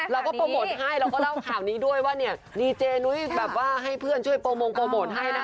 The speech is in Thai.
เราก็โปรโมทให้เราก็เล่าข่าวนี้ด้วยว่าเนี่ยดีเจนุ้ยแบบว่าให้เพื่อนช่วยโปรโมทให้นะคะ